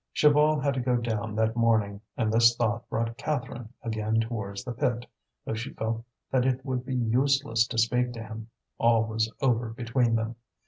Chaval had to go down that morning, and this thought brought Catherine again towards the pit, though she felt that it would be useless to speak to him: all was over between them.